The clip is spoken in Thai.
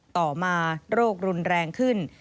ต่อมาโรครุนแรงขึ้น